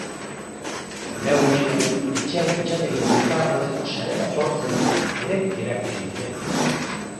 Baina hau gutxi balitz etxean fitxategiak elkarbanatzeko sare bat sortzen ere erakutsi dute.